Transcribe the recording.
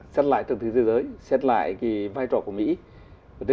xét lại từng thế giới xét lại vai trò của mỹ